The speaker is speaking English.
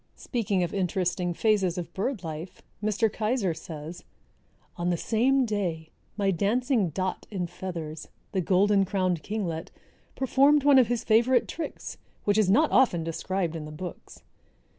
Speaking of interesting phases of bird life, Mr. Keyser says, "On the same day my dancing dot in feathers, the Golden crowned Kinglet, performed one of his favorite tricks, which is not often described in the books.